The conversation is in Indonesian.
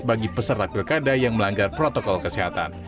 bagi peserta pilkada yang melanggar protokol kesehatan